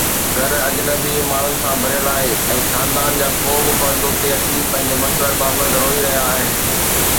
گهر اجنبي ماڻهن سان ڀريل آهي ۽ خاندان جا ڪو به فرد اتي اچي پنهنجن مسئلن بابت روئي رهيا آهن